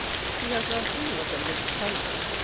He has now seen what a "late panic" is!